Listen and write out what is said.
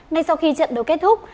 ngay sau khi trận đấu kết thúc